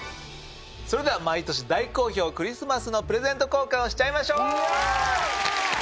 それでは毎年大好評クリスマスのプレゼント交換をしちゃいましょう！